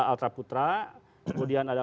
altra putra kemudian ada